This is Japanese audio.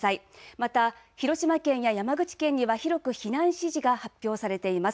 また、広島県や山口県では広く避難指示が発表されています。